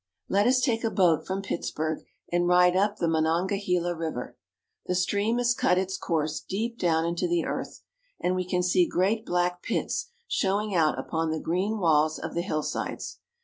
Let us take a boat from Pittsburg, and ride up the Monongahela River. The stream has cut its course deep down into the earth ; and we can see great black pits showing out upon the green walls of the hillsides.